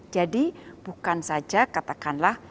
jadi bukan saja katakanlah